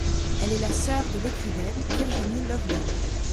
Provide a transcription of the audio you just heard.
Elle est la sœur de l'écrivaine Virginie Loveling.